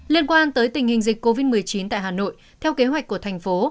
liên quan tới tình hình dịch covid một mươi chín tại hà nội theo kế hoạch của thành phố